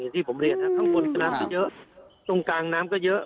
อย่างที่ผมเรียกฮะข้างบนก็น้ำก็เยอะตรงกลางน้ำก็เยอะ